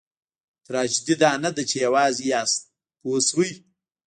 تراژیدي دا نه ده چې یوازې یاست پوه شوې!.